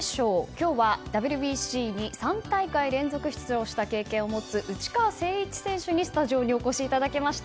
今日はＷＢＣに３大会連続出場した経験を持つ内川聖一選手にスタジオにお越しいただきました。